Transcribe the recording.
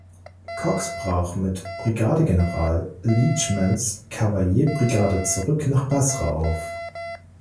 Cox brach mit Brigadegeneral Leachmans Kavallier-Brigade zurück nach Basra auf.